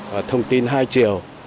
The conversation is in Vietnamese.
và thông tin hai chiều